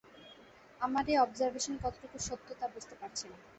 আমার এই অবজারভেশন কতটুকু সত্য তা বুঝতে পারছি না।